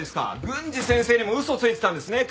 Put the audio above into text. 郡司先生にも嘘ついてたんですね。